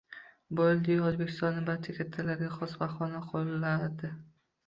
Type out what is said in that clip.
Bildi-yu... O’zbekistonni barcha kattalariga xos bahonani qo‘lladi.